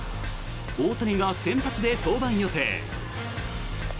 大谷が先発で登板予定。